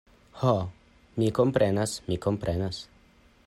Ho, mi komprenas, mi komprenas.